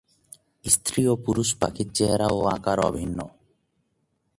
স্ত্রী ও পুরুষ পাখির চেহারা ও আকার অভিন্ন।